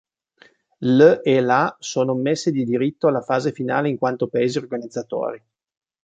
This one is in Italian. L' e la sono ammesse di diritto alla fase finale in quanto paesi organizzatori.